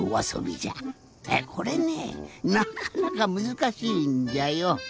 これねぇなかなかむずかしいんじゃよ。